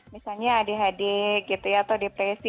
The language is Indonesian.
misalnya adhd gitu ya atau depresi